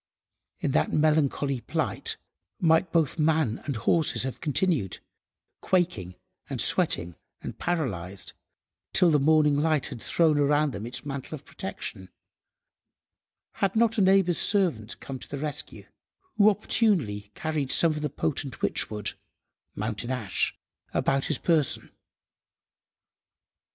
In that melancholy plight might both man and horses have continued—quaking, and sweating, and paralysed—till the morning light had thrown around them its mantle of protection—had not a neighbour's servant come to the rescue, who opportunely carried some of the potent witchwood (mountain–ash) about his person.